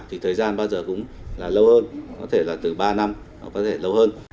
thì thời gian bao giờ cũng là lâu hơn có thể là từ ba năm nó có thể lâu hơn